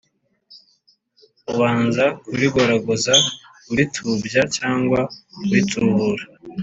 ubanza kurigoragoza (uritubya cyangwa uritubura)